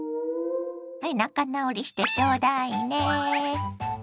はい仲直りしてちょうだいね。